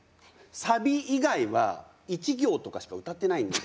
サビ以外は１行とかしか歌ってないんで。